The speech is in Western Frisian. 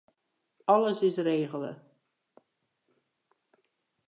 Alles is regele.